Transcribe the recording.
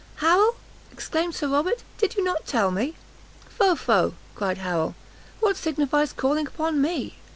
"Harrel," exclaimed Sir Robert, "did not you tell me " "Pho, Pho," cried Harrel, "what signifies calling upon me?